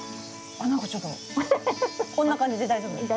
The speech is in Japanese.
あっ何かちょっとこんな感じで大丈夫ですか？